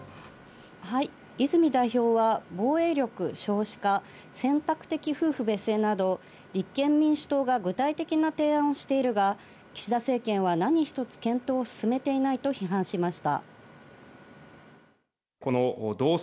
泉代表は防衛力、少子化、選択的夫婦別姓など、立憲民主党が具体的な提案をしているが、岸田政権は何一つ検討を進めていないと批判しました。